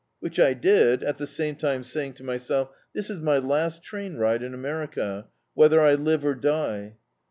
Which I did, at the same time saying to myself, "This is my last train ride in America, whether I live or die."